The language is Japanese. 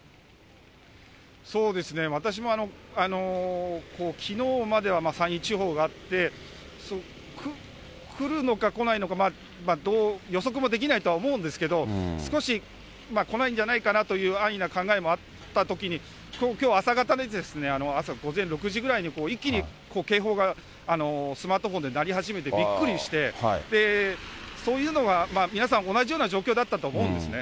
そうですね、私もきのうまでは山陰地方があって、来るのか来ないのか、予測もできないとは思うんですけど、少し、来ないんじゃないかなっていう安易な考えもあったときに、きょう朝方に、朝午前６時ぐらいに一気に警報がスマートフォンで鳴り始めて、びっくりして、そういうのは皆さん、同じような状況だったと思うんですね。